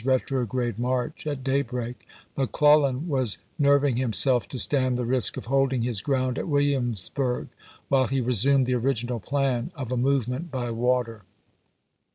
retrograde march at daybreak, McClellan was nerv ing himself to stand the risk of holding his ground at Williamsburg, while he " resumed the original plan " of a movement by water.